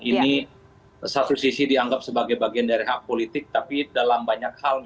ini satu sisi dianggap sebagai bagian dari hak politik tapi dalam banyak hal memang politik dinasti itu seringkali dianggap menjadi hak politik